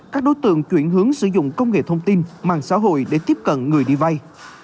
các đối tượng chuyển hướng sử dụng công nghệ thông tin mạng xã hội để tiếp cận người đi vay